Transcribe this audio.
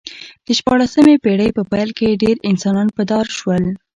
د شپاړسمې پېړۍ په پیل کې ډېر انسانان په دار شول